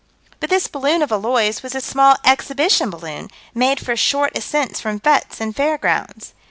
But this balloon of Eloy's was a small exhibition balloon, made for short ascents from fêtes and fair grounds.